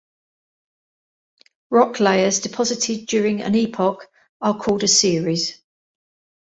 Rock layers deposited during an epoch are called a series.